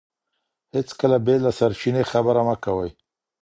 هیڅکله بې له سرچینې خبره مه کوئ.